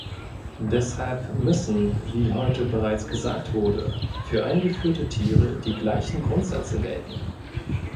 Deshalb müssen, wie heute bereits gesagt wurde, für eingeführte Tiere die gleichen Grundsätze gelten.